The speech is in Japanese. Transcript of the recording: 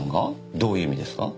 どういう意味ですか？